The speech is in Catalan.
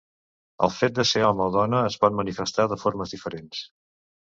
El fet de ser home o dona es pot manifestar de formes diferents.